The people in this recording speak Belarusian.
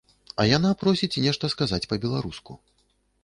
А яна просіць нешта сказаць па-беларуску.